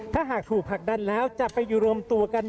ถ้าหากถูกผลักดันแล้วจะไปอยู่รวมตัวกัน